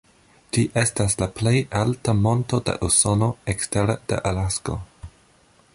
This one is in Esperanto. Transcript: Ĝi estas la plej alta monto de Usono ekstere de Alasko.